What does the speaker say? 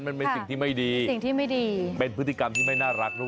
มันเป็นสิ่งที่ไม่ดีเป็นพฤติกรรมที่ไม่น่ารัก